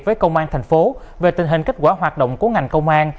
với công an tp hcm về tình hình kết quả hoạt động của ngành công an